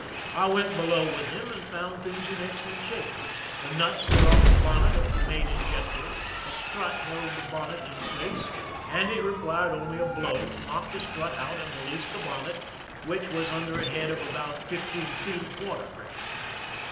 I went below with him and found things in excellent shape; the nuts were off the bonnet of the main injection, a strut held the bon net in place, and it required only a blow to knock the strut out and release the bonnet, which was under a head of. about fifteen feet of water pressure.